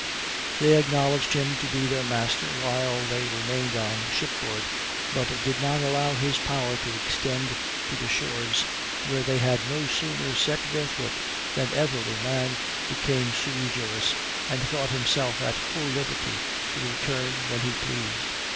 They acknowledged him to be their master while they remained on shipboard, but did not allow his power to extend to the shores, where they had no sooner set their foot than every man became sui juris, and thought himself at full liberty to return when he pleased.